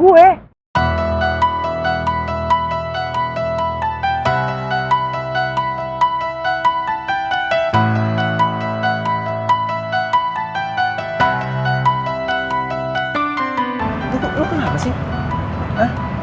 lu kenapa sih